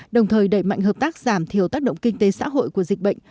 đồng thời đẩy mạnh hợp tác giảm thiểu tác động kinh tế xã hội của dịch bệnh